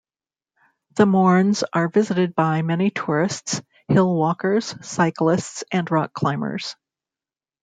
The Mournes are visited by many tourists, hillwalkers, cyclists and rock climbers.